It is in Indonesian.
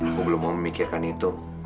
aku belum mau memikirkan itu